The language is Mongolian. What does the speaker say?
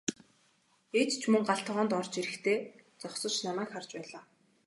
Ээж ч мөн гал тогоонд орж ирэхдээ зогсож намайг харж байлаа.